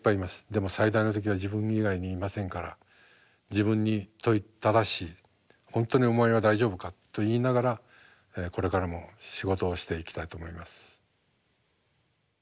でも最大の敵は自分以外にいませんから自分に問いただし「本当にお前は大丈夫か」と言いながらこれからも仕事をしていきたいと思います。